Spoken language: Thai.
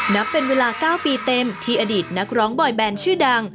นับเป็นเวลา๙ปีเต็มที่อดีตนักร้องบอยแบนชื่อดัง